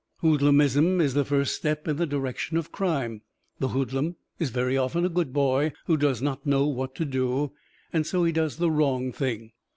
Hoodlumism is the first step in the direction of crime. The hoodlum is very often a good boy who does not know what to do; and so he does the wrong thing.